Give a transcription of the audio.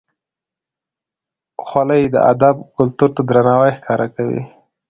خولۍ د ادب کلتور ته درناوی ښکاره کوي.